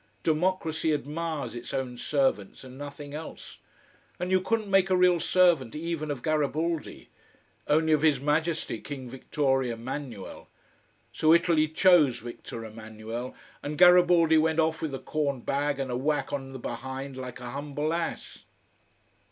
Democracy admires its own servants and nothing else. And you couldn't make a real servant even of Garibaldi. Only of His Majesty King Victor Emmanuel. So Italy chose Victor Emmanuel, and Garibaldi went off with a corn bag and a whack on the behind like a humble ass.